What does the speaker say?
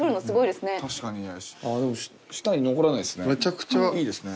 でも舌に残らないですね。